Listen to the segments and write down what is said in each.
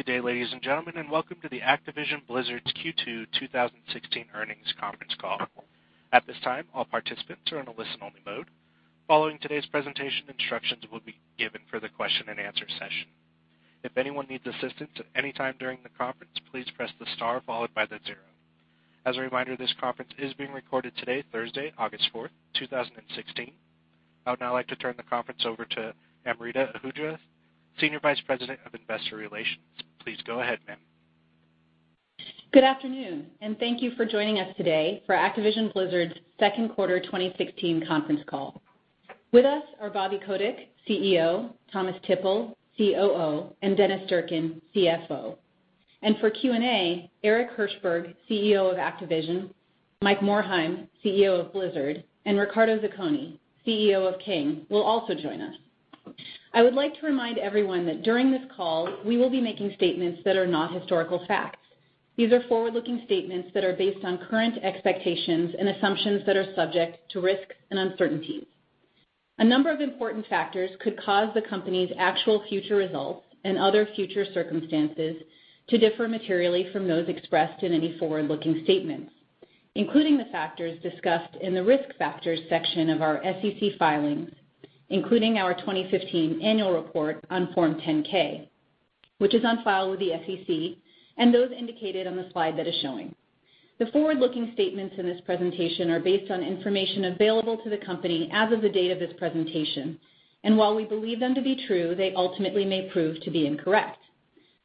Good day, ladies and gentlemen, welcome to Activision Blizzard's Q2 2016 earnings conference call. At this time, all participants are in a listen-only mode. Following today's presentation, instructions will be given for the question and answer session. If anyone needs assistance at any time during the conference, please press the star followed by the zero. As a reminder, this conference is being recorded today, Thursday, August 4, 2016. I would now like to turn the conference over to Amrita Ahuja, Senior Vice President of Investor Relations. Please go ahead, ma'am. Good afternoon. Thank you for joining us today for Activision Blizzard's second quarter 2016 conference call. With us are Bobby Kotick, CEO, Thomas Tippl, COO, and Dennis Durkin, CFO. For Q&A, Eric Hirshberg, CEO of Activision, Mike Morhaime, CEO of Blizzard, and Riccardo Zacconi, CEO of King, will also join us. I would like to remind everyone that during this call, we will be making statements that are not historical facts. These are forward-looking statements that are based on current expectations and assumptions that are subject to risk and uncertainty. A number of important factors could cause the company's actual future results and other future circumstances to differ materially from those expressed in any forward-looking statements, including the factors discussed in the Risk Factors section of our SEC filings, including our 2015 Annual Report on Form 10-K, which is on file with the SEC, and those indicated on the slide that is showing. The forward-looking statements in this presentation are based on information available to the company as of the date of this presentation, and while we believe them to be true, they ultimately may prove to be incorrect.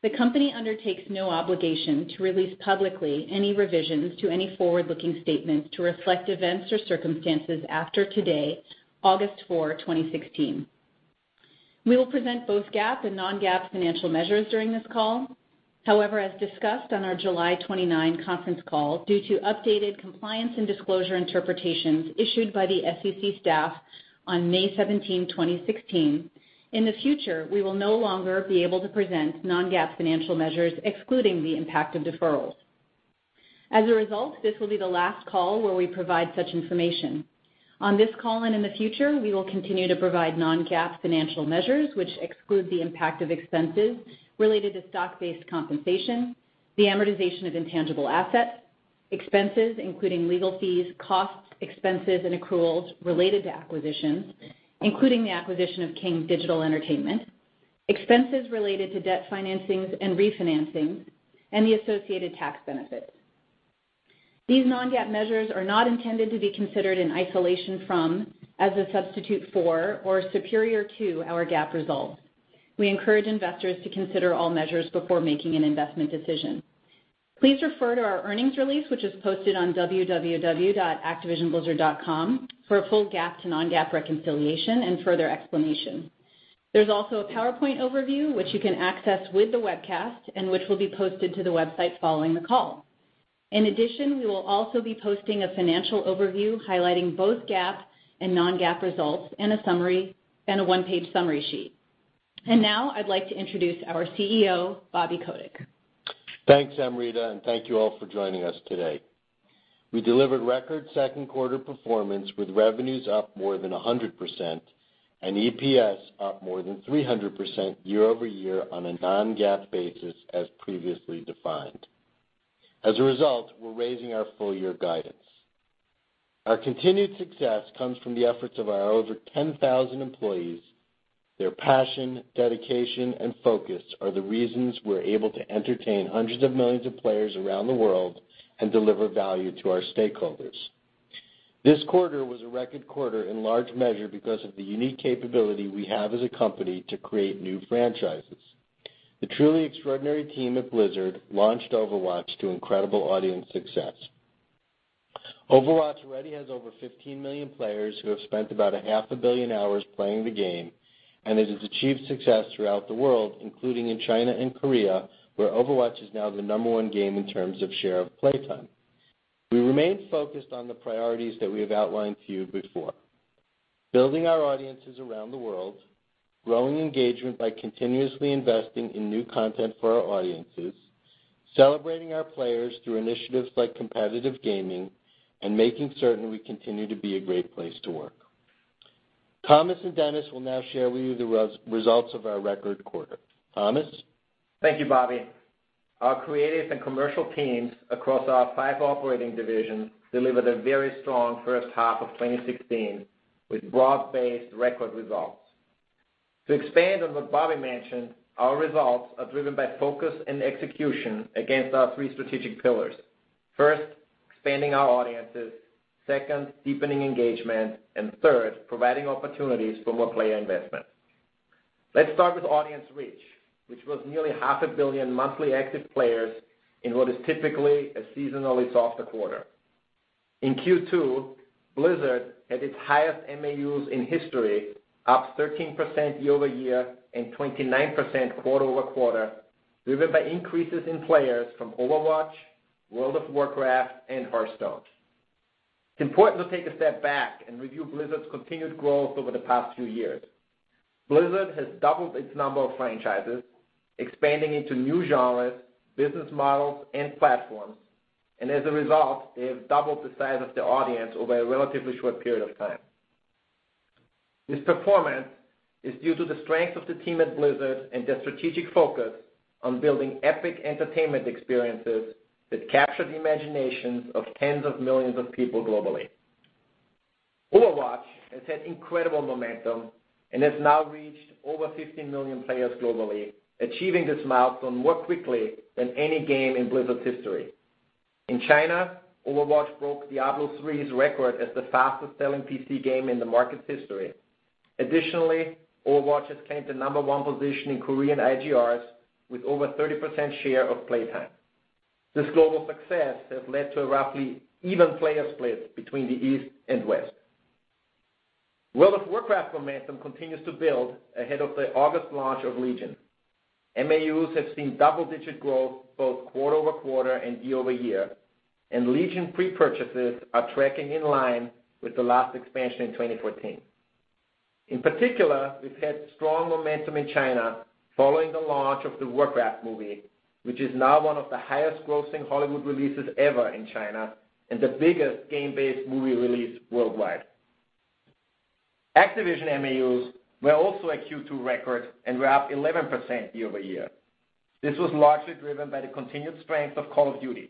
The company undertakes no obligation to release publicly any revisions to any forward-looking statements to reflect events or circumstances after today, August 4, 2016. We will present both GAAP and non-GAAP financial measures during this call. However, as discussed on our July 29 conference call, due to updated compliance and disclosure interpretations issued by the SEC staff on May 17, 2016, in the future, we will no longer be able to present non-GAAP financial measures excluding the impact of deferrals. As a result, this will be the last call where we provide such information. On this call and in the future, we will continue to provide non-GAAP financial measures which exclude the impact of expenses related to stock-based compensation, the amortization of intangible assets, expenses including legal fees, costs, expenses, and accruals related to acquisitions, including the acquisition of King Digital Entertainment, expenses related to debt financings and refinancings, and the associated tax benefits. These non-GAAP measures are not intended to be considered in isolation from, as a substitute for, or superior to our GAAP results. We encourage investors to consider all measures before making an investment decision. Please refer to our earnings release, which is posted on www.activisionblizzard.com for a full GAAP to non-GAAP reconciliation and further explanation. There is also a PowerPoint overview, which you can access with the webcast and which will be posted to the website following the call. In addition, we will also be posting a financial overview highlighting both GAAP and non-GAAP results and a one-page summary sheet. Now I'd like to introduce our CEO, Bobby Kotick. Thanks, Amrita. Thank you all for joining us today. We delivered record second quarter performance with revenues up more than 100% and EPS up more than 300% year-over-year on a non-GAAP basis as previously defined. As a result, we're raising our full year guidance. Our continued success comes from the efforts of our over 10,000 employees. Their passion, dedication, and focus are the reasons we're able to entertain hundreds of millions of players around the world and deliver value to our stakeholders. This quarter was a record quarter in large measure because of the unique capability we have as a company to create new franchises. The truly extraordinary team at Blizzard launched Overwatch to incredible audience success. Overwatch already has over 15 million players who have spent about a half a billion hours playing the game. It has achieved success throughout the world, including in China and Korea, where Overwatch is now the number one game in terms of share of play time. We remain focused on the priorities that we have outlined to you before. Building our audiences around the world, growing engagement by continuously investing in new content for our audiences, celebrating our players through initiatives like competitive gaming, and making certain we continue to be a great place to work. Thomas and Dennis will now share with you the results of our record quarter. Thomas? Thank you, Bobby. Our creative and commercial teams across our five operating divisions delivered a very strong first half of 2016 with broad-based record results. To expand on what Bobby mentioned, our results are driven by focus and execution against our three strategic pillars. First, expanding our audiences. Second, deepening engagement. Third, providing opportunities for more player investment. Let's start with audience reach, which was nearly half a billion monthly active players in what is typically a seasonally softer quarter. In Q2, Blizzard had its highest MAUs in history, up 13% year-over-year and 29% quarter-over-quarter, driven by increases in players from Overwatch, World of Warcraft, and Hearthstone. It's important to take a step back and review Blizzard's continued growth over the past few years. Blizzard has doubled its number of franchises, expanding into new genres, business models, and platforms. As a result, they have doubled the size of the audience over a relatively short period of time. This performance is due to the strength of the team at Blizzard and their strategic focus on building epic entertainment experiences that capture the imaginations of tens of millions of people globally. Overwatch has had incredible momentum and has now reached over 15 million players globally, achieving this milestone more quickly than any game in Blizzard's history. In China, Overwatch broke Diablo III's record as the fastest-selling PC game in the market's history. Additionally, Overwatch has claimed the number 1 position in Korean PC Bangs with over 30% share of playtime. This global success has led to a roughly even player split between the East and West. World of Warcraft momentum continues to build ahead of the August launch of Legion. MAUs have seen double-digit growth both quarter-over-quarter and year-over-year. Legion pre-purchases are tracking in line with the last expansion in 2014. In particular, we've had strong momentum in China following the launch of the Warcraft movie, which is now one of the highest grossing Hollywood releases ever in China and the biggest game-based movie release worldwide. Activision MAUs were also a Q2 record and were up 11% year-over-year. This was largely driven by the continued strength of Call of Duty. Call of Duty: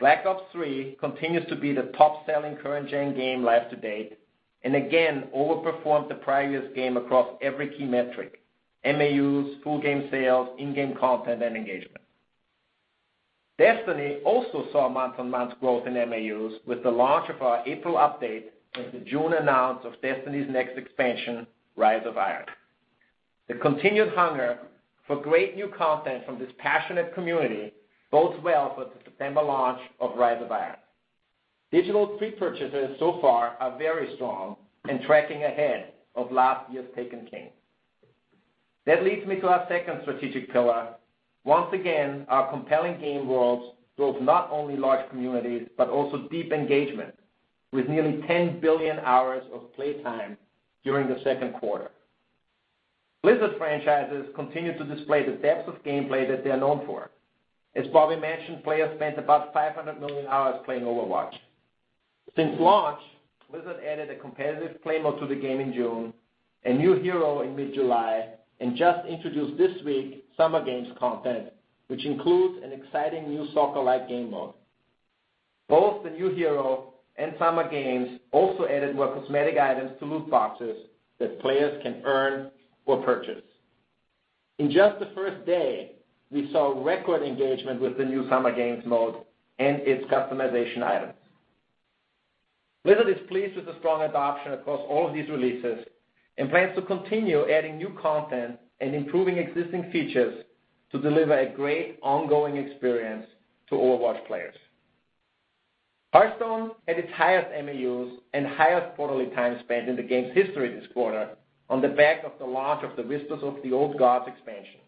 Black Ops III continues to be the top-selling current-gen game life to date. Again, overperformed the previous game across every key metric: MAUs, full game sales, in-game content, and engagement. Destiny also saw month-on-month growth in MAUs with the launch of our April update and the June announce of Destiny's next expansion, Rise of Iron. The continued hunger for great new content from this passionate community bodes well for the September launch of Rise of Iron. Digital pre-purchases so far are very strong and tracking ahead of last year's Taken King. That leads me to our second strategic pillar. Once again, our compelling game worlds build not only large communities, but also deep engagement, with nearly 10 billion hours of play time during the second quarter. Blizzard franchises continue to display the depth of gameplay that they are known for. As Bobby mentioned, players spent about 500 million hours playing Overwatch. Since launch, Blizzard added a competitive play mode to the game in June, a new hero in mid-July, and just introduced this week Summer Games content, which includes an exciting new soccer-like game mode. Both the new hero and Summer Games also added more cosmetic items to loot boxes that players can earn or purchase. In just the first day, we saw record engagement with the new Summer Games mode and its customization items. Blizzard is pleased with the strong adoption across all of these releases and plans to continue adding new content and improving existing features to deliver a great ongoing experience to Overwatch players. Hearthstone had its highest MAUs and highest quarterly time spent in the game's history this quarter on the back of the launch of the Whispers of the Old Gods expansion.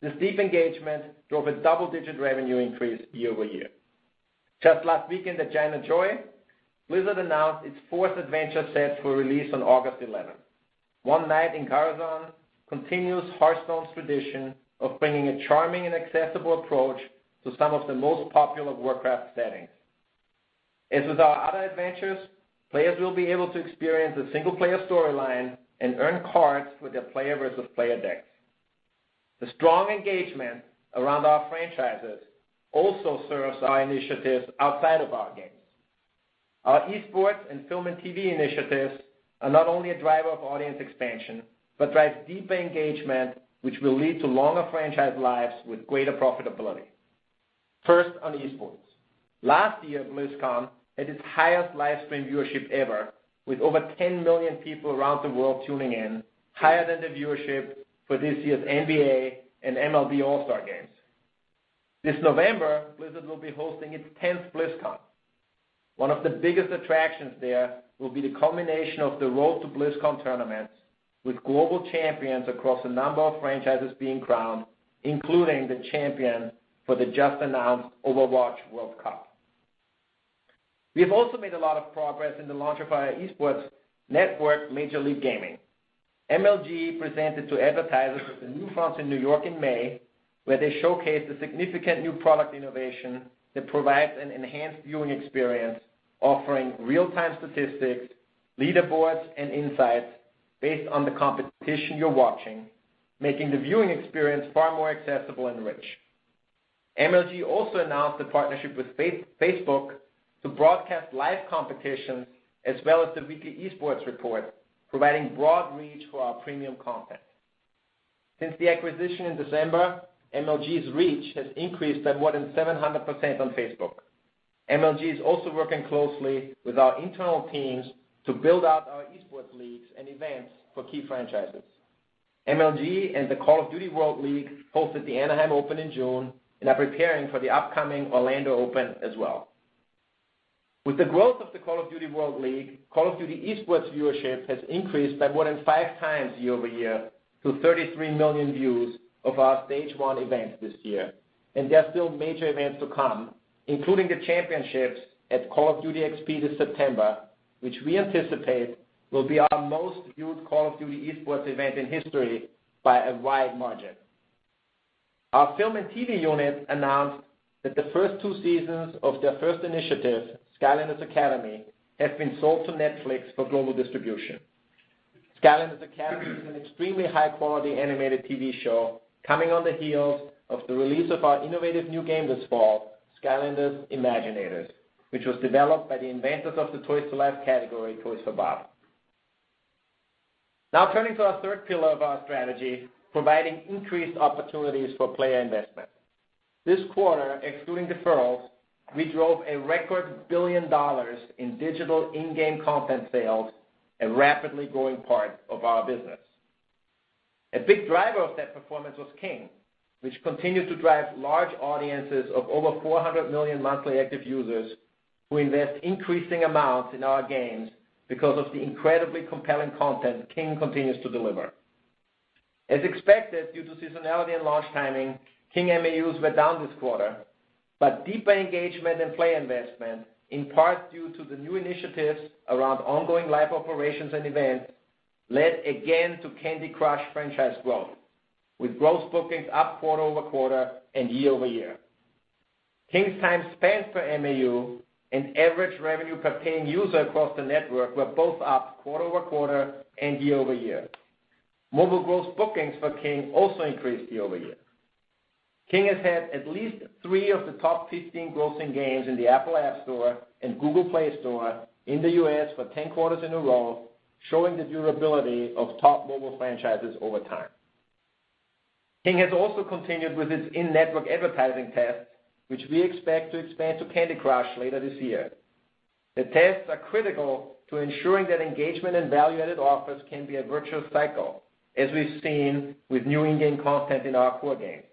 This deep engagement drove a double-digit revenue increase year-over-year. Just last weekend at ChinaJoy, Blizzard announced its fourth adventure set for release on August 11th. One Night in Karazhan continues Hearthstone's tradition of bringing a charming and accessible approach to some of the most popular Warcraft settings. As with our other adventures, players will be able to experience a single-player storyline and earn cards for their player versus player decks. The strong engagement around our franchises also serves our initiatives outside of our games. Our esports and film and TV initiatives are not only a driver of audience expansion, but drives deeper engagement, which will lead to longer franchise lives with greater profitability. First on esports. Last year, BlizzCon had its highest livestream viewership ever with over 10 million people around the world tuning in, higher than the viewership for this year's NBA and MLB All-Star Games. This November, Blizzard will be hosting its 10th BlizzCon. One of the biggest attractions there will be the culmination of the Road to BlizzCon tournaments with global champions across a number of franchises being crowned, including the champion for the just-announced Overwatch World Cup. We have also made a lot of progress in the launch of our esports network, Major League Gaming. MLG presented to advertisers at the NewFronts in New York in May, where they showcased a significant new product innovation that provides an enhanced viewing experience offering real-time statistics, leaderboards, and insights based on the competition you're watching, making the viewing experience far more accessible and rich. MLG also announced a partnership with Facebook to broadcast live competitions as well as the weekly esports report, providing broad reach for our premium content. Since the acquisition in December, MLG's reach has increased by more than 700% on Facebook. MLG is also working closely with our internal teams to build out our esports leagues and events for key franchises. MLG and the Call of Duty World League hosted the Anaheim Open in June and are preparing for the upcoming Orlando Open as well. With the growth of the Call of Duty World League, Call of Duty esports viewership has increased by more than five times year-over-year to 33 million views of our stage 1 events this year, and there are still major events to come, including the championships at Call of Duty XP this September, which we anticipate will be our most viewed Call of Duty esports event in history by a wide margin. Our film and TV unit announced that the first two seasons of their first initiative, "Skylanders Academy," has been sold to Netflix for global distribution. Skylanders Academy" is an extremely high-quality animated TV show coming on the heels of the release of our innovative new game this fall, "Skylanders Imaginators," which was developed by the inventors of the Toys to Life category, Toys for Bob. Now turning to our third pillar of our strategy, providing increased opportunities for player investment. This quarter, excluding deferrals, we drove a record $1 billion in digital in-game content sales, a rapidly growing part of our business. A big driver of that performance was King, which continued to drive large audiences of over 400 million monthly active users, who invest increasing amounts in our games because of the incredibly compelling content King continues to deliver. As expected, due to seasonality and launch timing, King MAUs were down this quarter, but deeper engagement and play investment, in part due to the new initiatives around ongoing live operations and events, led again to "Candy Crush" franchise growth, with gross bookings up quarter-over-quarter and year-over-year. King's time spent per MAU and average revenue per paying user across the network were both up quarter-over-quarter and year-over-year. Mobile gross bookings for King also increased year-over-year. King has had at least three of the top 15 grossing games in the Apple App Store and Google Play Store in the U.S. for 10 quarters in a row, showing the durability of top mobile franchises over time. King has also continued with its in-network advertising tests, which we expect to expand to "Candy Crush" later this year. The tests are critical to ensuring that engagement and value-added offers can be a virtual cycle, as we've seen with new in-game content in our core games.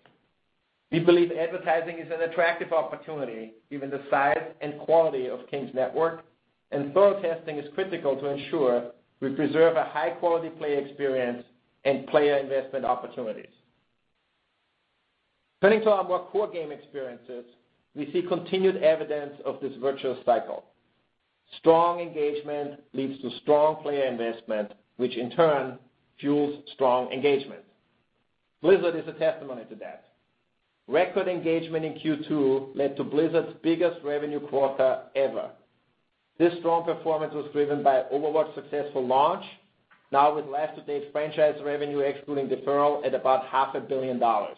We believe advertising is an attractive opportunity given the size and quality of King's network, and thorough testing is critical to ensure we preserve a high-quality play experience and player investment opportunities. Turning to our more core game experiences, we see continued evidence of this virtual cycle. Strong engagement leads to strong player investment, which in turn fuels strong engagement. Blizzard is a testimony to that. Record engagement in Q2 led to Blizzard's biggest revenue quarter ever. This strong performance was driven by "Overwatch's" successful launch, now with life-to-date franchise revenue excluding deferral at about half a billion dollars.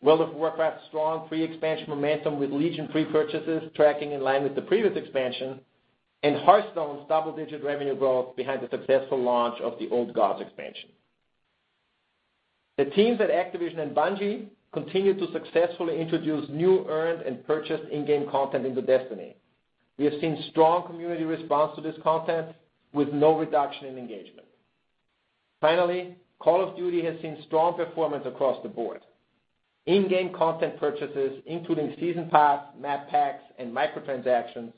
World of Warcraft's strong pre-expansion momentum with Legion pre-purchases tracking in line with the previous expansion, and "Hearthstone's" double-digit revenue growth behind the successful launch of the Old Gods expansion. The teams at Activision and Bungie continue to successfully introduce new earned and purchased in-game content into "Destiny." We have seen strong community response to this content with no reduction in engagement. Finally, "Call of Duty" has seen strong performance across the board. In-game content purchases, including season pass, map packs, and micro-transactions,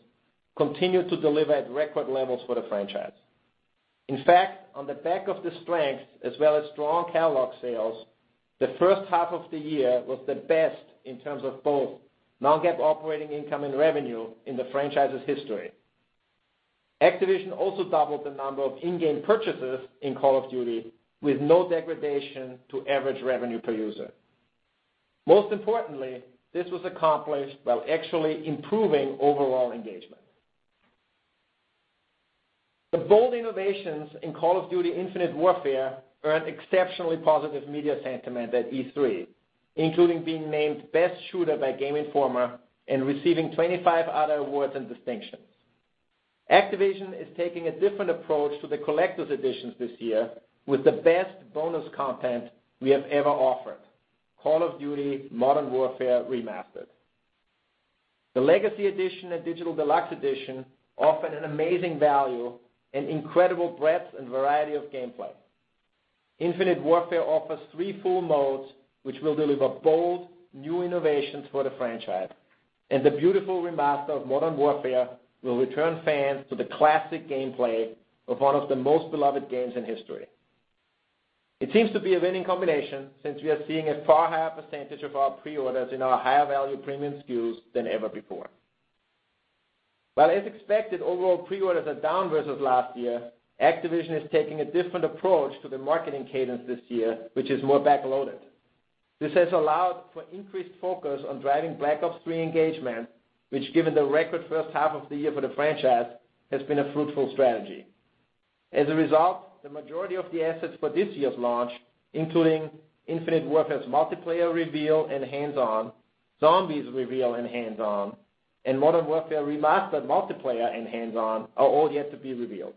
continue to deliver at record levels for the franchise. In fact, on the back of the strength as well as strong catalog sales, the first half of the year was the best in terms of both non-GAAP operating income and revenue in the franchise's history. Activision also doubled the number of in-game purchases in "Call of Duty" with no degradation to average revenue per user. Most importantly, this was accomplished while actually improving overall engagement. The bold innovations in "Call of Duty: Infinite Warfare" earned exceptionally positive media sentiment at E3, including being named Best Shooter by Game Informer and receiving 25 other awards and distinctions. Activision is taking a different approach to the collector's editions this year with the best bonus content we have ever offered, "Call of Duty: Modern Warfare Remastered." The Legacy Edition and Digital Deluxe Edition offer an amazing value and incredible breadth and variety of gameplay. "Infinite Warfare" offers three full modes, which will deliver bold, new innovations for the franchise, and the beautiful remaster of "Modern Warfare" will return fans to the classic gameplay of one of the most beloved games in history. It seems to be a winning combination since we are seeing a far higher percentage of our pre-orders in our higher value premium SKUs than ever before. While as expected, overall pre-orders are down versus last year, Activision is taking a different approach to the marketing cadence this year, which is more back-loaded. This has allowed for increased focus on driving Call of Duty: Black Ops III engagement, which given the record first half of the year for the franchise, has been a fruitful strategy. As a result, the majority of the assets for this year's launch, including Infinite Warfare's multiplayer reveal and hands-on, Zombies reveal and hands-on, and Modern Warfare Remastered multiplayer and hands-on, are all yet to be revealed.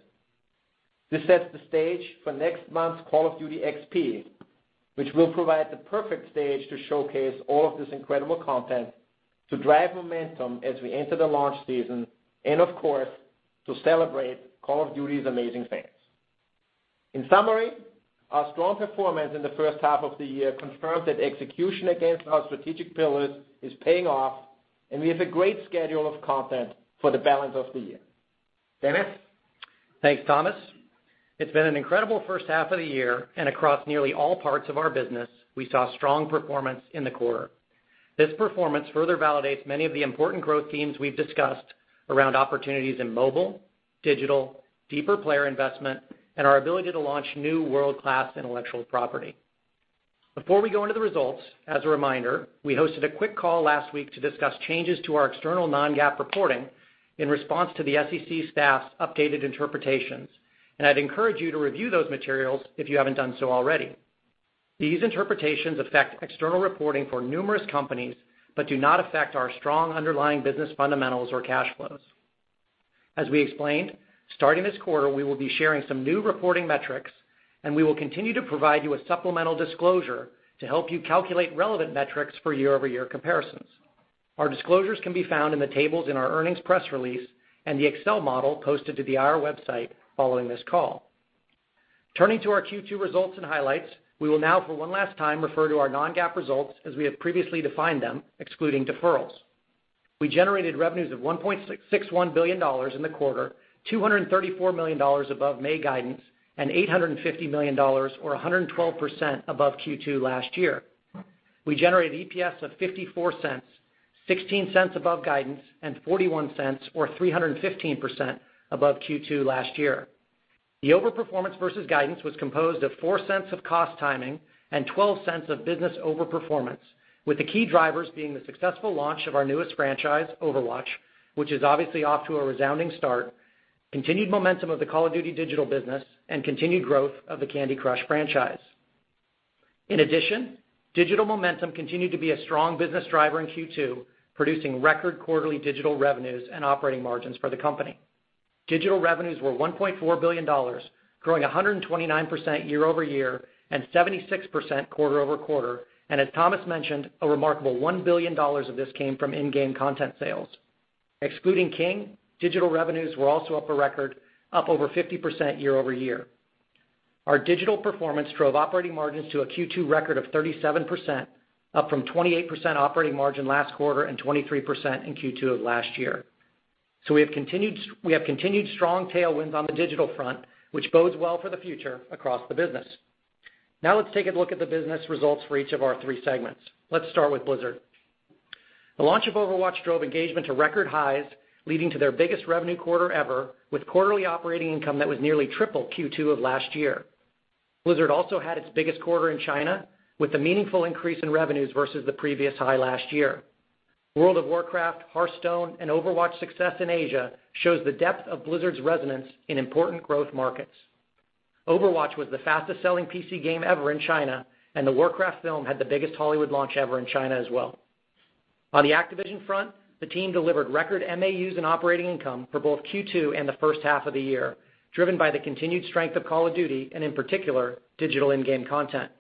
This sets the stage for next month's Call of Duty XP, which will provide the perfect stage to showcase all of this incredible content to drive momentum as we enter the launch season and of course, to celebrate Call of Duty's amazing fans. In summary, our strong performance in the first half of the year confirms that execution against our strategic pillars is paying off, and we have a great schedule of content for the balance of the year. Dennis? Thanks, Thomas. It's been an incredible first half of the year. Across nearly all parts of our business, we saw strong performance in the quarter. This performance further validates many of the important growth themes we've discussed around opportunities in mobile, digital, deeper player investment, and our ability to launch new world-class intellectual property. Before we go into the results, as a reminder, we hosted a quick call last week to discuss changes to our external non-GAAP reporting in response to the SEC staff's updated interpretations. I'd encourage you to review those materials if you haven't done so already. These interpretations affect external reporting for numerous companies but do not affect our strong underlying business fundamentals or cash flows. As we explained, starting this quarter, we will be sharing some new reporting metrics. We will continue to provide you with supplemental disclosure to help you calculate relevant metrics for year-over-year comparisons. Our disclosures can be found in the tables in our earnings press release and the Excel model posted to the IR website following this call. Turning to our Q2 results and highlights, we will now for one last time refer to our non-GAAP results as we have previously defined them, excluding deferrals. We generated revenues of $1.61 billion in the quarter, $234 million above May guidance and $850 million or 112% above Q2 last year. We generated EPS of $0.54, $0.16 above guidance, and $0.41 or 315% above Q2 last year. The over-performance versus guidance was composed of $0.04 of cost timing and $0.12 of business over-performance, with the key drivers being the successful launch of our newest franchise, Overwatch, which is obviously off to a resounding start, continued momentum of the Call of Duty digital business, and continued growth of the Candy Crush franchise. In addition, digital momentum continued to be a strong business driver in Q2, producing record quarterly digital revenues and operating margins for the company. Digital revenues were $1.4 billion, growing 129% year-over-year and 76% quarter-over-quarter, and as Thomas mentioned, a remarkable $1 billion of this came from in-game content sales. Excluding King, digital revenues were also up a record, up over 50% year-over-year. Our digital performance drove operating margins to a Q2 record of 37%, up from 28% operating margin last quarter and 23% in Q2 of last year. We have continued strong tailwinds on the digital front, which bodes well for the future across the business. Now let's take a look at the business results for each of our three segments. Let's start with Blizzard. The launch of Overwatch drove engagement to record highs, leading to their biggest revenue quarter ever, with quarterly operating income that was nearly triple Q2 of last year. Blizzard also had its biggest quarter in China, with a meaningful increase in revenues versus the previous high last year. World of Warcraft, Hearthstone, and Overwatch success in Asia shows the depth of Blizzard's resonance in important growth markets. Overwatch was the fastest-selling PC game ever in China, and the Warcraft film had the biggest Hollywood launch ever in China as well. On the Activision front, the team delivered record MAUs and operating income for both Q2 and the first half of the year, driven by the continued strength of Call of Duty and, in particular, digital in-game content.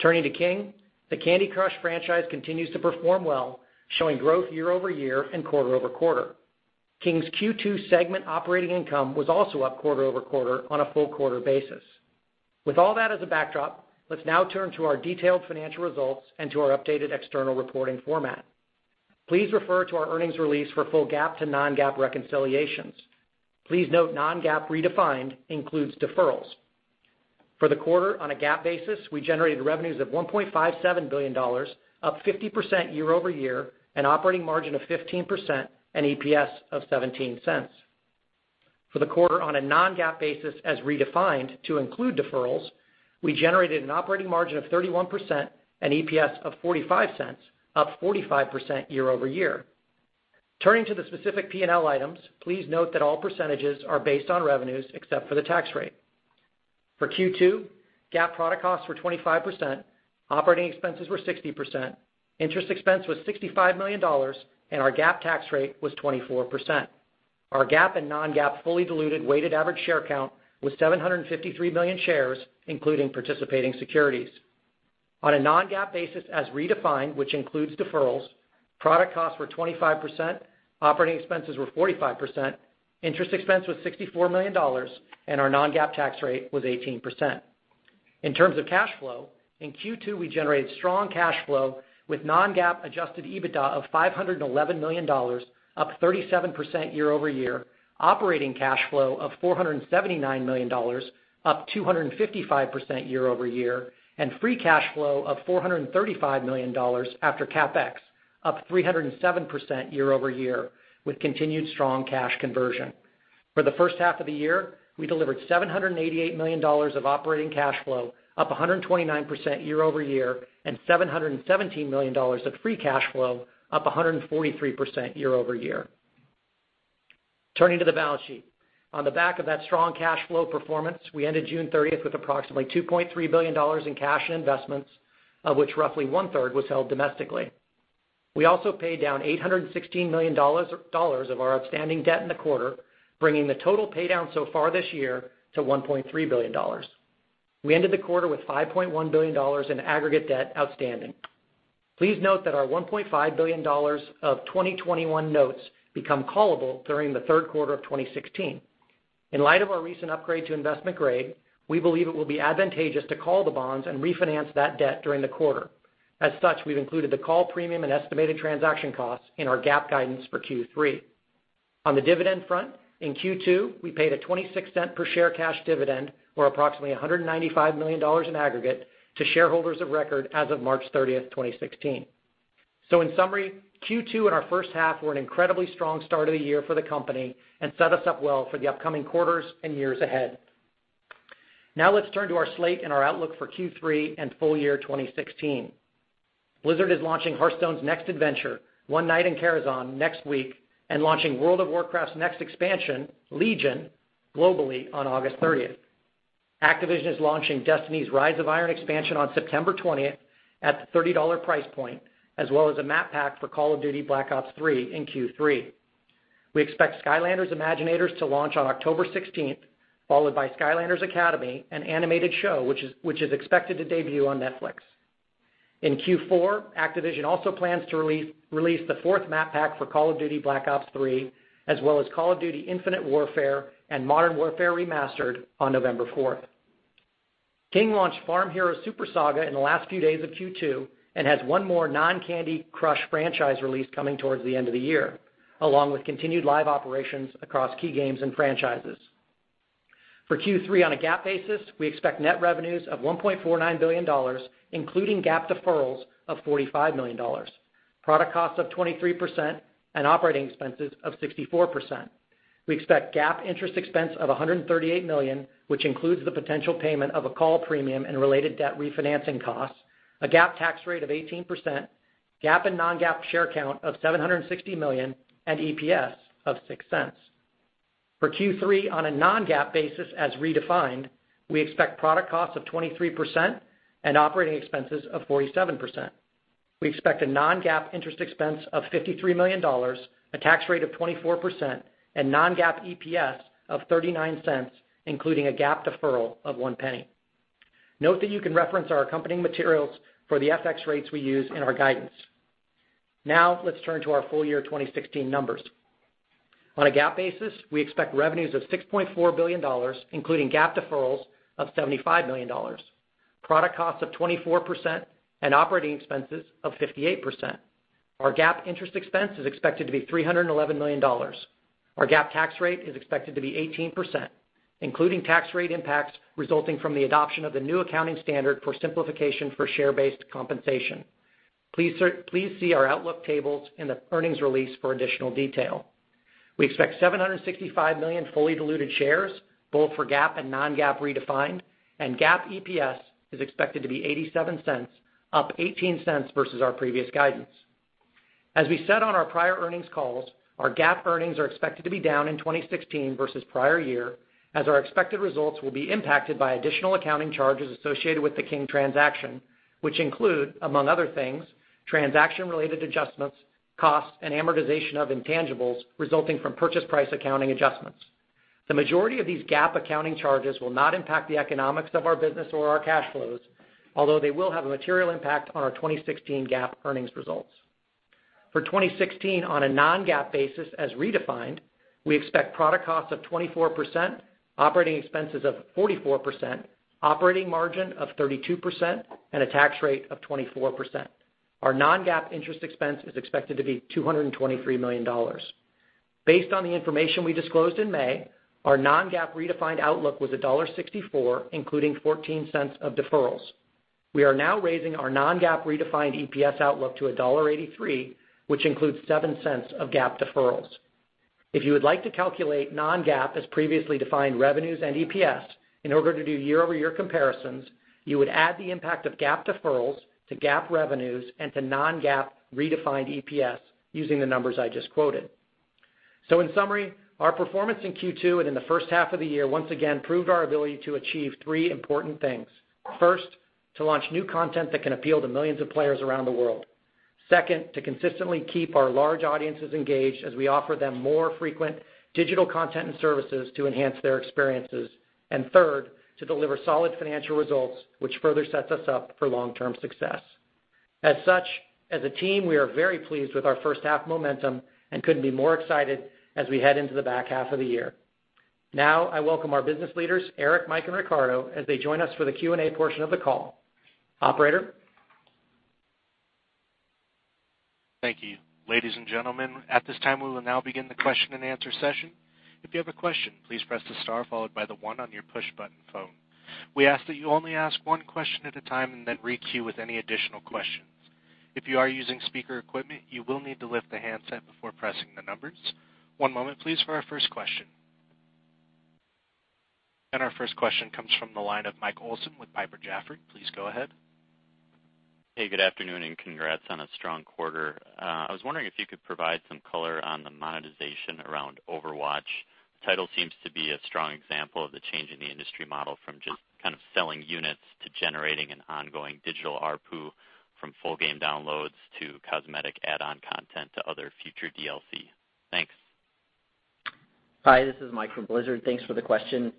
Turning to King, the Candy Crush franchise continues to perform well, showing growth year-over-year and quarter-over-quarter. King's Q2 segment operating income was also up quarter-over-quarter on a full quarter basis. With all that as a backdrop, let's now turn to our detailed financial results and to our updated external reporting format. Please refer to our earnings release for full GAAP to non-GAAP reconciliations. Please note non-GAAP redefined includes deferrals. For the quarter on a GAAP basis, we generated revenues of $1.57 billion, up 50% year-over-year, an operating margin of 15%, and EPS of $0.17. For the quarter on a non-GAAP basis as redefined to include deferrals, we generated an operating margin of 31% and EPS of $0.45, up 45% year-over-year. Turning to the specific P&L items, please note that all percentages are based on revenues except for the tax rate. For Q2, GAAP product costs were 25%, operating expenses were 60%, interest expense was $65 million, and our GAAP tax rate was 24%. Our GAAP and non-GAAP fully diluted weighted average share count was 753 million shares, including participating securities. On a non-GAAP basis as redefined, which includes deferrals, product costs were 25%, operating expenses were 45%, interest expense was $64 million, and our non-GAAP tax rate was 18%. In terms of cash flow, in Q2, we generated strong cash flow with non-GAAP adjusted EBITDA of $511 million, up 37% year-over-year, operating cash flow of $479 million, up 255% year-over-year, and free cash flow of $435 million after CapEx, up 307% year-over-year, with continued strong cash conversion. For the first half of the year, we delivered $788 million of operating cash flow, up 129% year-over-year, and $717 million of free cash flow, up 143% year-over-year. Turning to the balance sheet. On the back of that strong cash flow performance, we ended June 30th with approximately $2.3 billion in cash and investments, of which roughly one-third was held domestically. We also paid down $816 million of our outstanding debt in the quarter, bringing the total paydown so far this year to $1.3 billion. We ended the quarter with $5.1 billion in aggregate debt outstanding. Please note that our $1.5 billion of 2021 notes become callable during the third quarter of 2016. In light of our recent upgrade to investment grade, we believe it will be advantageous to call the bonds and refinance that debt during the quarter. As such, we've included the call premium and estimated transaction costs in our GAAP guidance for Q3. On the dividend front, in Q2, we paid a $0.26 per share cash dividend, or approximately $195 million in aggregate to shareholders of record as of March 30th, 2016. In summary, Q2 and our first half were an incredibly strong start of the year for the company and set us up well for the upcoming quarters and years ahead. Let's turn to our slate and our outlook for Q3 and full year 2016. Blizzard is launching Hearthstone's next adventure, One Night in Karazhan, next week, and launching World of Warcraft's next expansion, Legion, globally on August 30th. Activision is launching Destiny's Rise of Iron expansion on September 20th at the $30 price point, as well as a map pack for Call of Duty: Black Ops III in Q3. We expect Skylanders Imaginators to launch on October 16th, followed by Skylanders Academy, an animated show, which is expected to debut on Netflix. In Q4, Activision also plans to release the fourth map pack for Call of Duty: Black Ops III, as well as Call of Duty: Infinite Warfare and Modern Warfare Remastered on November 4th. King launched Farm Heroes Super Saga in the last few days of Q2 and has one more non-Candy Crush franchise release coming towards the end of the year, along with continued live operations across key games and franchises. For Q3 on a GAAP basis, we expect net revenues of $1.49 billion, including GAAP deferrals of $45 million, product costs of 23%, and operating expenses of 64%. We expect GAAP interest expense of $138 million, which includes the potential payment of a call premium and related debt refinancing costs, a GAAP tax rate of 18%, GAAP and non-GAAP share count of 760 million and EPS of $0.06. For Q3 on a non-GAAP basis as redefined, we expect product costs of 23% and operating expenses of 47%. We expect a non-GAAP interest expense of $53 million, a tax rate of 24%, and non-GAAP EPS of $0.39, including a GAAP deferral of $0.01. Note that you can reference our accompanying materials for the FX rates we use in our guidance. Let's turn to our full year 2016 numbers. On a GAAP basis, we expect revenues of $6.4 billion, including GAAP deferrals of $75 million, product costs of 24%, and operating expenses of 58%. Our GAAP interest expense is expected to be $311 million. Our GAAP tax rate is expected to be 18%, including tax rate impacts resulting from the adoption of the new accounting standard for simplification for share-based compensation. Please see our outlook tables in the earnings release for additional detail. We expect 765 million fully diluted shares, both for GAAP and non-GAAP redefined, and GAAP EPS is expected to be $0.87, up $0.18 versus our previous guidance. As we said on our prior earnings calls, our GAAP earnings are expected to be down in 2016 versus prior year, as our expected results will be impacted by additional accounting charges associated with the King transaction, which include, among other things, transaction-related adjustments, costs, and amortization of intangibles resulting from purchase price accounting adjustments. The majority of these GAAP accounting charges will not impact the economics of our business or our cash flows, although they will have a material impact on our 2016 GAAP earnings results. For 2016 on a non-GAAP basis as redefined, we expect product costs of 24%, operating expenses of 44%, operating margin of 32%, and a tax rate of 24%. Our non-GAAP interest expense is expected to be $223 million. Based on the information we disclosed in May, our non-GAAP redefined outlook was $1.64, including $0.14 of deferrals. We are now raising our non-GAAP redefined EPS outlook to $1.83, which includes $0.07 of GAAP deferrals. If you would like to calculate non-GAAP as previously defined revenues and EPS in order to do year-over-year comparisons, you would add the impact of GAAP deferrals to GAAP revenues and to non-GAAP redefined EPS using the numbers I just quoted. In summary, our performance in Q2 and in the first half of the year once again proved our ability to achieve three important things. First, to launch new content that can appeal to millions of players around the world. Second, to consistently keep our large audiences engaged as we offer them more frequent digital content and services to enhance their experiences. Third, to deliver solid financial results, which further sets us up for long-term success. As such, as a team, we are very pleased with our first half momentum and couldn't be more excited as we head into the back half of the year. Now I welcome our business leaders, Eric, Mike, and Riccardo, as they join us for the Q&A portion of the call. Operator? Thank you. Ladies and gentlemen, at this time, we will now begin the question and answer session. If you have a question, please press the star followed by the one on your push button phone. We ask that you only ask one question at a time and then re-queue with any additional questions. If you are using speaker equipment, you will need to lift the handset before pressing the numbers. One moment please for our first question. Our first question comes from the line of Mike Olson with Piper Jaffray. Please go ahead. Hey, good afternoon and congrats on a strong quarter. I was wondering if you could provide some color on the monetization around Overwatch. Title seems to be a strong example of the change in the industry model from just kind of selling units to generating an ongoing digital harpoon from full game downloads to cosmetic add-on content to other future DLC. Thanks. Hi, this is Mike from Blizzard. Thanks for the question.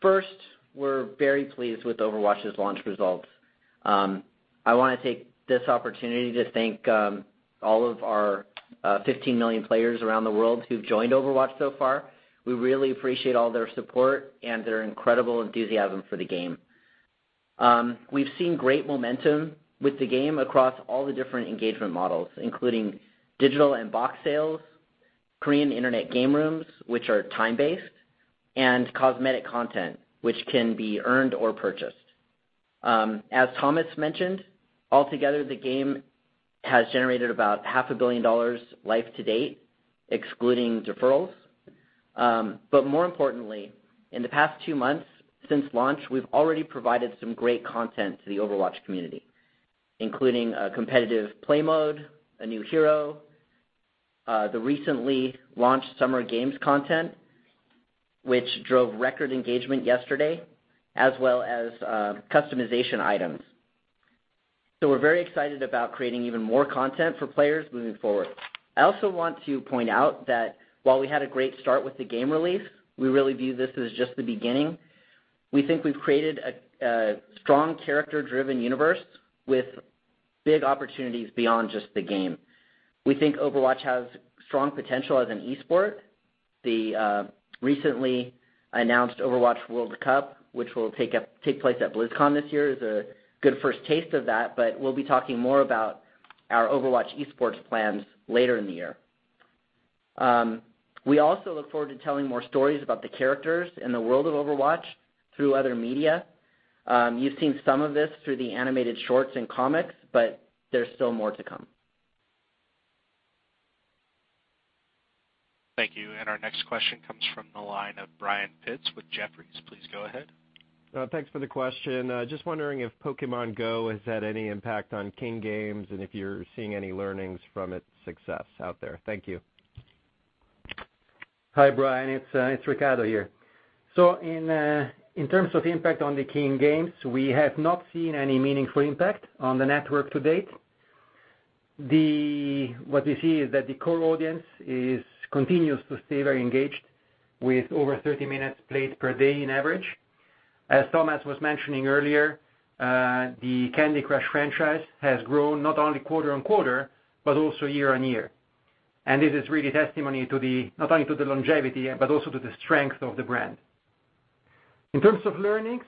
First, we're very pleased with Overwatch's launch results. I want to take this opportunity to thank all of our 15 million players around the world who've joined Overwatch so far. We really appreciate all their support and their incredible enthusiasm for the game. We've seen great momentum with the game across all the different engagement models, including digital and box sales, Korean internet game rooms, which are time-based, and cosmetic content, which can be earned or purchased. As Thomas Tippl mentioned, altogether, the game has generated about half a billion dollars life to date, excluding deferrals. More importantly, in the past two months since launch, we've already provided some great content to the Overwatch community, including a competitive play mode, a new hero, the recently launched Summer Games content, which drove record engagement yesterday, as well as customization items. We're very excited about creating even more content for players moving forward. I also want to point out that while we had a great start with the game release, we really view this as just the beginning. We think we've created a strong character-driven universe with big opportunities beyond just the game. We think Overwatch has strong potential as an esport. The recently announced Overwatch World Cup, which will take place at BlizzCon this year, is a good first taste of that, we'll be talking more about our Overwatch esports plans later in the year. We also look forward to telling more stories about the characters in the world of Overwatch through other media. You've seen some of this through the animated shorts and comics, there's still more to come. Thank you. Our next question comes from the line of Brian Pitz with Jefferies. Please go ahead. Thanks for the question. Just wondering if Pokémon GO has had any impact on King Games, and if you're seeing any learnings from its success out there. Thank you. Hi, Brian. It's Riccardo here. In terms of impact on the King Games, we have not seen any meaningful impact on the network to date. What we see is that the core audience continues to stay very engaged with over 30 minutes played per day on average. As Thomas was mentioning earlier, the Candy Crush franchise has grown not only quarter-on-quarter, but also year-on-year. This is really testimony not only to the longevity, but also to the strength of the brand. In terms of learnings,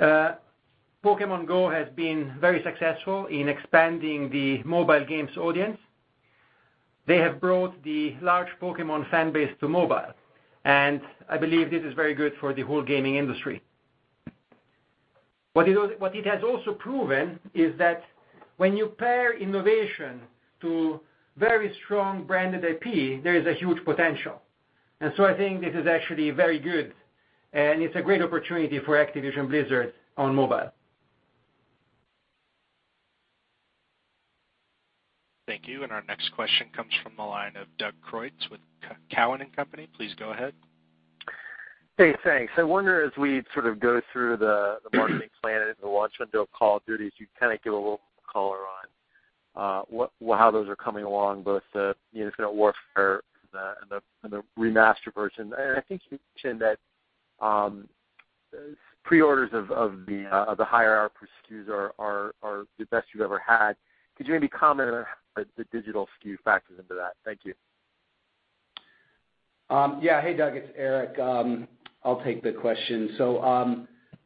Pokémon GO has been very successful in expanding the mobile games audience. They have brought the large Pokémon fan base to mobile, and I believe this is very good for the whole gaming industry. What it has also proven is that when you pair innovation to very strong branded IP, there is a huge potential. I think this is actually very good, and it's a great opportunity for Activision Blizzard on mobile. Thank you. Our next question comes from the line of Doug Creutz with Cowen and Company. Please go ahead. Hey, thanks. I wonder as we sort of go through the marketing plan and the launch window of Call of Duty as you kind of give a little color on how those are coming along, both the Infinite Warfare and the remastered version. I think you mentioned that pre-orders of the higher SKUs are the best you've ever had. Could you maybe comment on how the digital SKU factors into that? Thank you. Yeah. Hey, Doug, it's Eric. I'll take the question.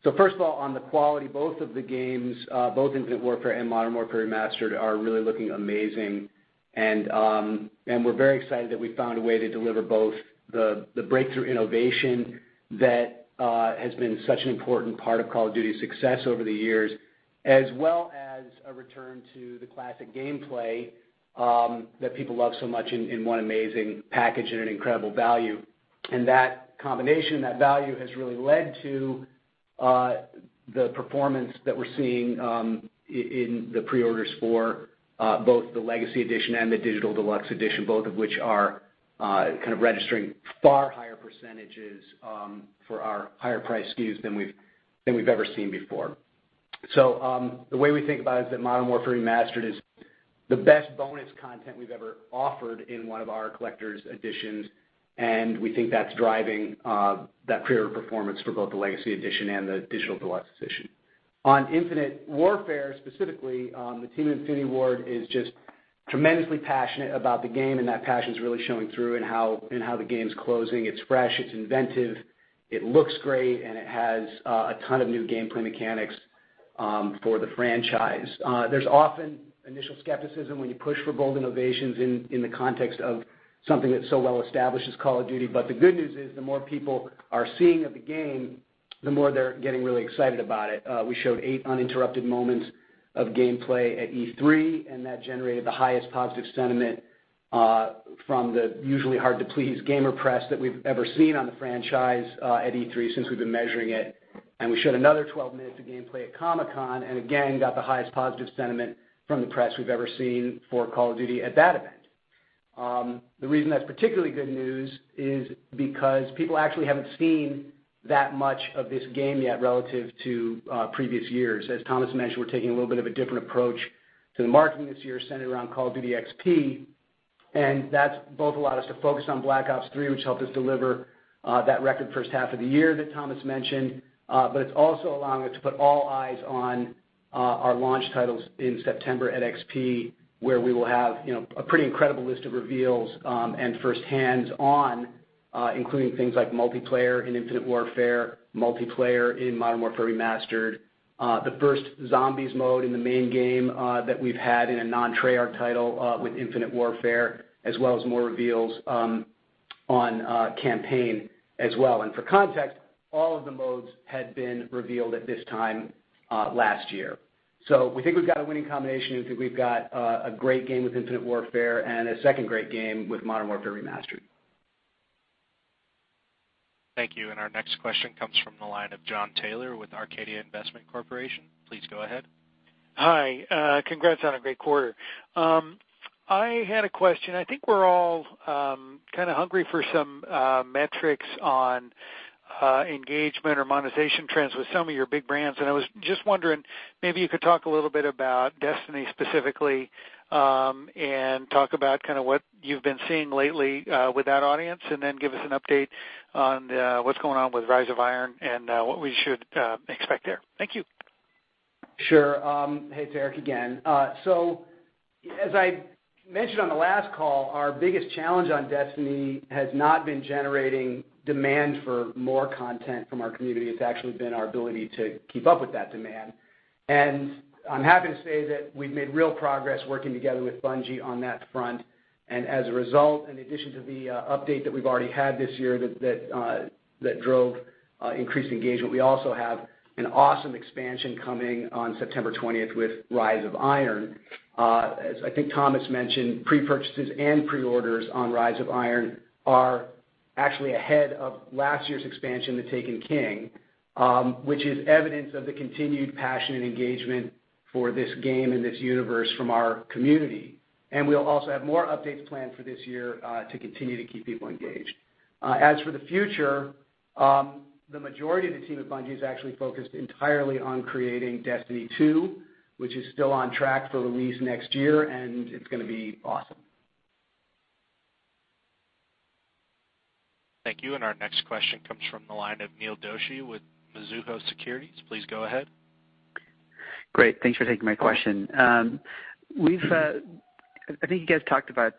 First of all, on the quality, both of the games, both Infinite Warfare and Modern Warfare Remastered, are really looking amazing. We're very excited that we found a way to deliver both the breakthrough innovation that has been such an important part of Call of Duty's success over the years, as well as a return to the classic gameplay that people love so much in one amazing package and an incredible value. That combination, that value, has really led to the performance that we're seeing in the pre-orders for both the Legacy Edition and the Digital Deluxe Edition, both of which are kind of registering far higher % for our higher priced SKUs than we've ever seen before. The way we think about it is that Modern Warfare Remastered is the best bonus content we've ever offered in one of our collector's editions, and we think that's driving that pre-order performance for both the Legacy Edition and the Digital Deluxe Edition. On Infinite Warfare specifically, the team at Infinity Ward is just tremendously passionate about the game, and that passion's really showing through in how the game's closing. It's fresh, it's inventive, it looks great, and it has a ton of new gameplay mechanics for the franchise. There's often initial skepticism when you push for bold innovations in the context of something that's so well established as Call of Duty, the good news is the more people are seeing of the game, the more they're getting really excited about it. We showed eight uninterrupted moments of gameplay at E3. That generated the highest positive sentiment from the usually hard-to-please gamer press that we've ever seen on the franchise at E3 since we've been measuring it. We showed another 12 minutes of gameplay at Comic-Con, and again, got the highest positive sentiment from the press we've ever seen for Call of Duty at that event. The reason that's particularly good news is because people actually haven't seen that much of this game yet relative to previous years. As Thomas mentioned, we're taking a little bit of a different approach to the marketing this year, centered around Call of Duty XP. That's both allowed us to focus on Black Ops III, which helped us deliver that record first half of the year that Thomas mentioned. It's also allowing us to put all eyes on our launch titles in September at XP, where we will have a pretty incredible list of reveals and first hands-on, including things like multiplayer in Infinite Warfare, multiplayer in Modern Warfare Remastered, the first Zombies mode in the main game that we've had in a non-Treyarch title with Infinite Warfare, as well as more reveals on campaign as well. For context, all of the modes had been revealed at this time last year. We think we've got a winning combination. We think we've got a great game with Infinite Warfare and a second great game with Modern Warfare Remastered. Thank you. Our next question comes from the line of John Taylor with Arcadia Investment Corp. Please go ahead. Hi. Congrats on a great quarter. I had a question. I think we're all kind of hungry for some metrics on engagement or monetization trends with some of your big brands. I was just wondering, maybe you could talk a little bit about Destiny specifically, and talk about what you've been seeing lately with that audience, and then give us an update on what's going on with Rise of Iron and what we should expect there. Thank you. Sure. Hey, Taylor, again. As I mentioned on the last call, our biggest challenge on Destiny has not been generating demand for more content from our community. It's actually been our ability to keep up with that demand. I'm happy to say that we've made real progress working together with Bungie on that front. As a result, in addition to the update that we've already had this year that drove increased engagement, we also have an awesome expansion coming on September 20th with Rise of Iron. As I think Thomas mentioned, pre-purchases and pre-orders on Rise of Iron are actually ahead of last year's expansion, The Taken King, which is evidence of the continued passion and engagement for this game and this universe from our community. We'll also have more updates planned for this year to continue to keep people engaged. As for the future, the majority of the team at Bungie is actually focused entirely on creating Destiny 2, which is still on track for release next year, and it's going to be awesome. Thank you. Our next question comes from the line of Neil Doshi with Mizuho Securities. Please go ahead. Great. Thanks for taking my question. I think you guys talked about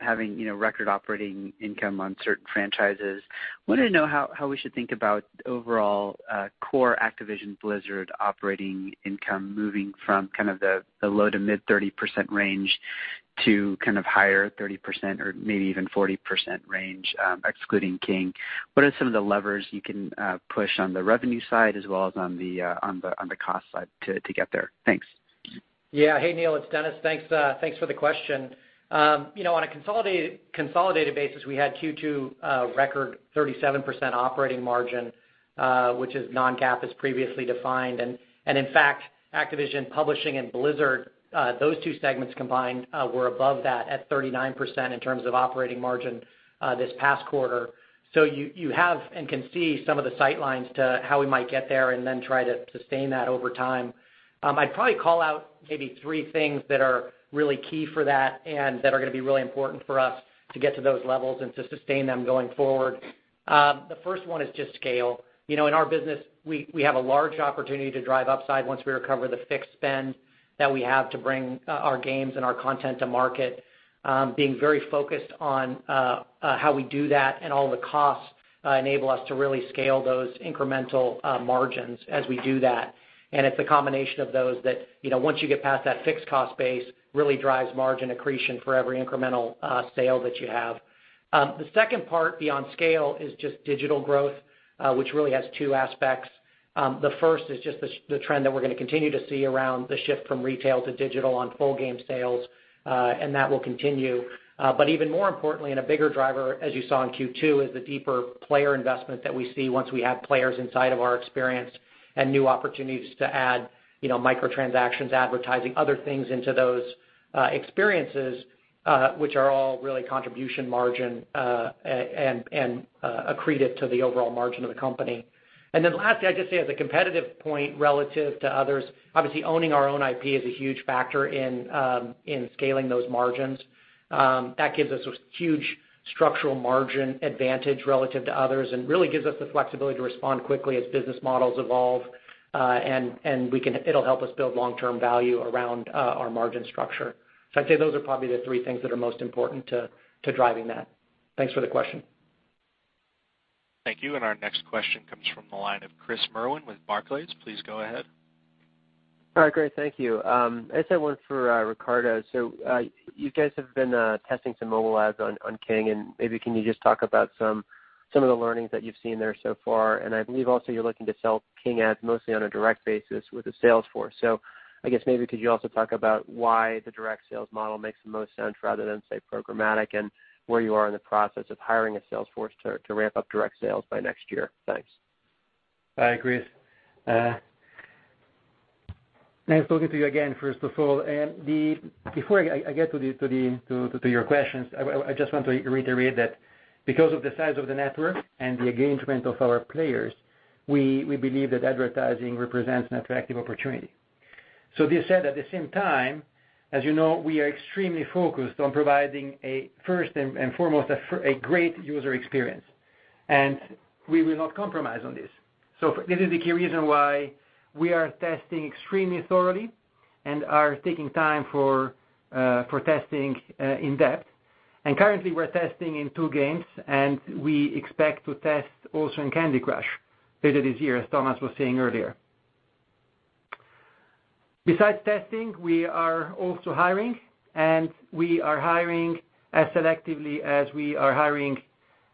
having record operating income on certain franchises. Wanted to know how we should think about overall core Activision Blizzard operating income moving from kind of the low to mid 30% range to kind of higher 30% or maybe even 40% range excluding King. What are some of the levers you can push on the revenue side as well as on the cost side to get there? Thanks. Yeah. Hey, Neil, it's Dennis. Thanks for the question. On a consolidated basis, we had Q2 record 37% operating margin, which is non-GAAP as previously defined. In fact, Activision Publishing and Blizzard, those two segments combined were above that at 39% in terms of operating margin this past quarter. You have and can see some of the sight lines to how we might get there and then try to sustain that over time. I'd probably call out maybe three things that are really key for that and that are going to be really important for us to get to those levels and to sustain them going forward. The first one is just scale. In our business, we have a large opportunity to drive upside once we recover the fixed spend that we have to bring our games and our content to market. Being very focused on how we do that and all the costs enable us to really scale those incremental margins as we do that. It's a combination of those that, once you get past that fixed cost base, really drives margin accretion for every incremental sale that you have. The second part beyond scale is just digital growth, which really has two aspects. The first is just the trend that we're going to continue to see around the shift from retail to digital on full game sales, and that will continue. Even more importantly, and a bigger driver, as you saw in Q2, is the deeper player investment that we see once we have players inside of our experience and new opportunities to add micro-transactions, advertising, other things into those experiences, which are all really contribution margin, and accretive to the overall margin of the company. Lastly, I'd just say as a competitive point relative to others, obviously owning our own IP is a huge factor in scaling those margins. That gives us a huge structural margin advantage relative to others and really gives us the flexibility to respond quickly as business models evolve. It'll help us build long-term value around our margin structure. I'd say those are probably the three things that are most important to driving that. Thanks for the question. Thank you. Our next question comes from the line of Chris Merwin with Barclays. Please go ahead. All right, great. Thank you. I just have one for Riccardo. You guys have been testing some mobile ads on King, and maybe can you just talk about some of the learnings that you've seen there so far? I believe also you're looking to sell King ads mostly on a direct basis with the sales force. I guess maybe could you also talk about why the direct sales model makes the most sense rather than, say, programmatic, and where you are in the process of hiring a sales force to ramp up direct sales by next year? Thanks. Hi, Chris. Nice talking to you again, first of all. Before I get to your questions, I just want to reiterate that because of the size of the network and the engagement of our players, we believe that advertising represents an attractive opportunity. This said, at the same time, as you know, we are extremely focused on providing a first and foremost, a great user experience. We will not compromise on this. This is the key reason why we are testing extremely thoroughly and are taking time for testing in depth. Currently, we're testing in two games, and we expect to test also in Candy Crush later this year, as Thomas was saying earlier. Besides testing, we are also hiring, we are hiring as selectively as we are hiring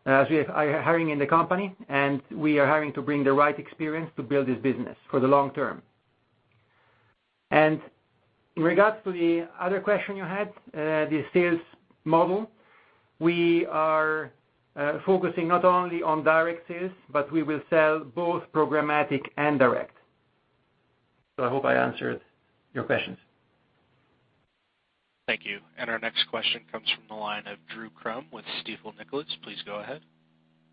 in the company, we are hiring to bring the right experience to build this business for the long term. In regards to the other question you had, the sales model, we are focusing not only on direct sales, but we will sell both programmatic and direct. I hope I answered your questions. Thank you. Our next question comes from the line of Drew Crum with Stifel Nicolaus. Please go ahead.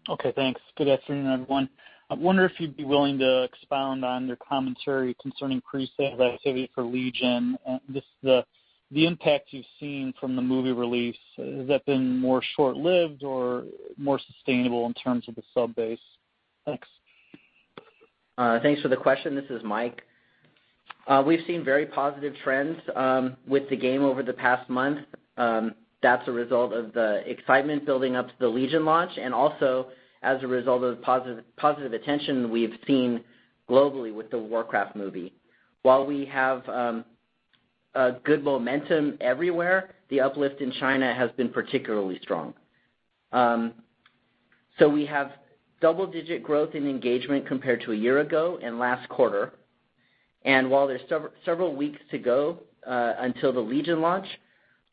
Okay, thanks. Good afternoon, everyone. I wonder if you'd be willing to expound on your commentary concerning pre-sales activity for Legion and just the impact you've seen from the movie release. Has that been more short-lived or more sustainable in terms of the sub-base? Thanks. Thanks for the question. This is Mike. We've seen very positive trends with the game over the past month. That's a result of the excitement building up to the Legion launch and also as a result of positive attention we've seen globally with the Warcraft movie. We have good momentum everywhere, the uplift in China has been particularly strong. We have double-digit growth in engagement compared to a year ago and last quarter. While there's several weeks to go until the Legion launch,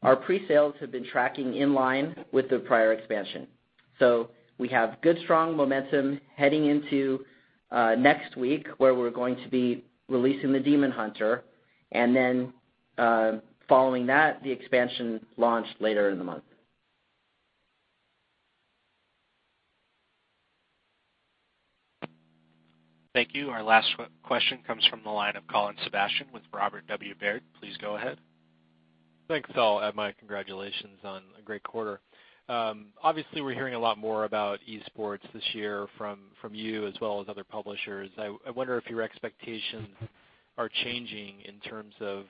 our pre-sales have been tracking in line with the prior expansion. We have good, strong momentum heading into next week, where we're going to be releasing the Demon Hunter. Then following that, the expansion launch later in the month. Thank you. Our last question comes from the line of Colin Sebastian with Robert W. Baird. Please go ahead. Thanks, all. My congratulations on a great quarter. Obviously, we're hearing a lot more about esports this year from you as well as other publishers. I wonder if your expectations are changing in terms of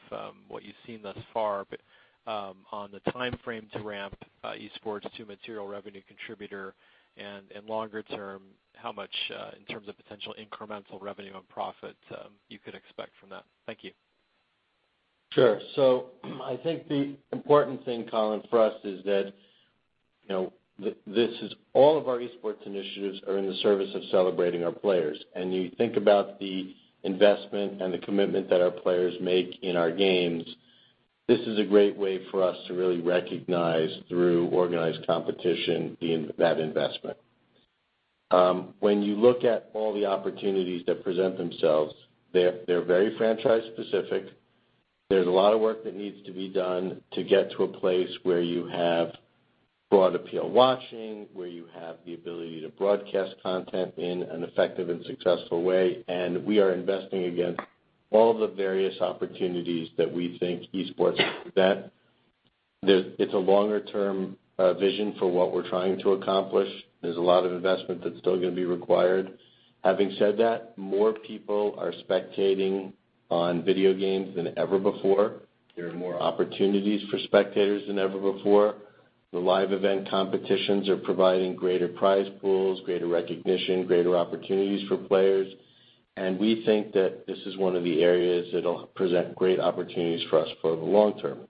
what you've seen thus far, on the timeframe to ramp esports to material revenue contributor and longer term, how much in terms of potential incremental revenue on profit you could expect from that? Thank you. Sure. I think the important thing, Colin, for us is that all of our esports initiatives are in the service of celebrating our players. You think about the investment and the commitment that our players make in our games, this is a great way for us to really recognize through organized competition that investment. When you look at all the opportunities that present themselves, they're very franchise specific. There's a lot of work that needs to be done to get to a place where you have broad appeal watching, where you have the ability to broadcast content in an effective and successful way. We are investing against all the various opportunities that we think esports present. It's a longer-term vision for what we're trying to accomplish. There's a lot of investment that's still going to be required. Having said that, more people are spectating on video games than ever before. There are more opportunities for spectators than ever before. The live event competitions are providing greater prize pools, greater recognition, greater opportunities for players. We think that this is one of the areas that'll present great opportunities for us for the long term.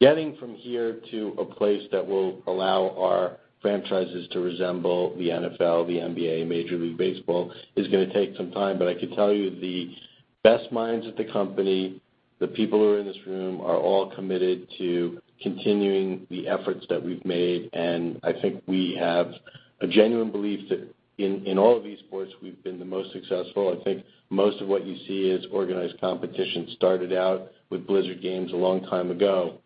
Getting from here to a place that will allow our franchises to resemble the NFL, the NBA, Major League Baseball is going to take some time, I can tell you the best minds at the company, the people who are in this room are all committed to continuing the efforts that we've made. I think we have a genuine belief that in all of esports, we've been the most successful. I think most of what you see as organized competition started out with Blizzard games a long time ago.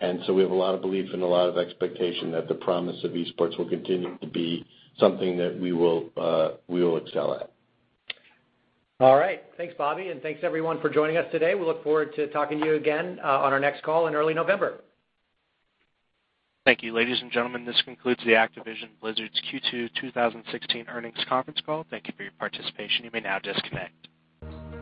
We have a lot of belief and a lot of expectation that the promise of esports will continue to be something that we will excel at. All right. Thanks, Bobby, and thanks everyone for joining us today. We look forward to talking to you again on our next call in early November. Thank you. Ladies and gentlemen, this concludes the Activision Blizzard's Q2 2016 earnings conference call. Thank you for your participation. You may now disconnect.